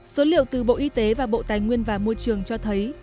số liệu từ bộ y tế và bộ tài nguyên và môi trường cho thấy